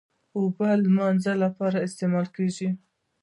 اوبه د لمانځه لپاره استعمالېږي.